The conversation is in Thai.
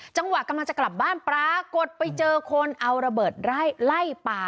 จังหวะกำลังจะกลับบ้านปรากฏไปเจอคนเอาระเบิดไล่ปลา